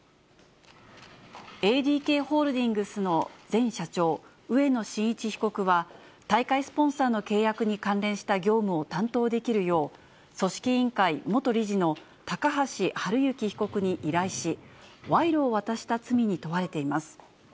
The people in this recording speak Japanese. ＡＤＫホールディングスの前社長、植野伸一被告は、大会スポンサーの契約に関連した業務を担当できるよう、組織委員会元理事の高橋治之被告に依頼し、賄賂を渡した罪に問われています。